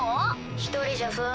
一人じゃ不安？